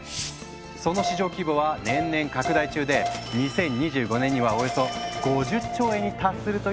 その市場規模は年々拡大中で２０２５年にはおよそ５０兆円に達するという予測もあるんです。